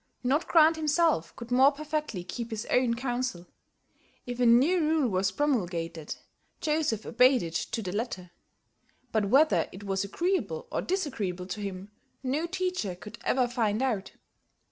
Not Grant himself could more perfectly keep his own counsel. If a new rule was promulgated, Joseph obeyed it to the letter. But whether it was agreeable or disagreeable to him, no teacher could ever find out.